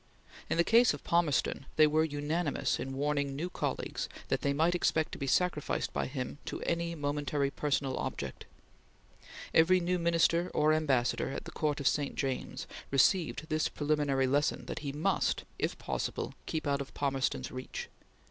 In the case of Palmerston they were unanimous in warning new colleagues that they might expect to be sacrificed by him to any momentary personal object. Every new Minister or Ambassador at the Court of St. James received this preliminary lesson that he must, if possible, keep out of Palmerston's reach.